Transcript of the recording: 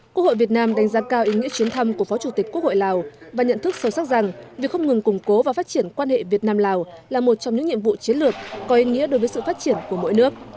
quốc hội việt nam đánh giá cao ý nghĩa chuyến thăm của phó chủ tịch quốc hội lào và nhận thức sâu sắc rằng việc không ngừng củng cố và phát triển quan hệ việt nam lào là một trong những nhiệm vụ chiến lược có ý nghĩa đối với sự phát triển của mỗi nước